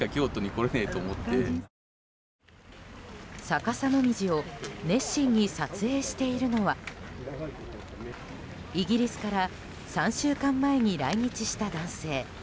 逆さモミジを熱心に撮影しているのはイギリスから３週間前に来日した男性。